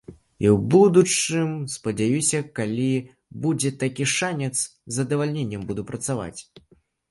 І ў будучым, спадзяюся, калі будзе такі шанец, з задавальненнем буду працаваць.